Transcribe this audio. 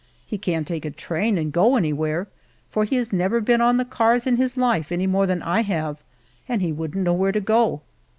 He can't take a train and go anywhere, for he has never been on the cars in his life any more than I have, and he wouldn't know where to go."